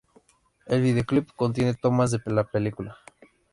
El videoclip contiene tomas de la película.